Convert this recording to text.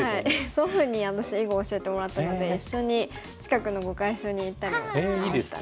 祖父に私囲碁教えてもらったので一緒に近くの碁会所に行ったりもしてましたね。